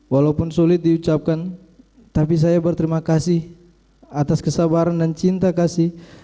walaupun sulit diucapkan tapi saya berterima kasih atas kesabaran dan cinta kasih